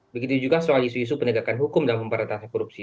begitu juga soal isu isu penegakan hukum dan pemberantasan korupsi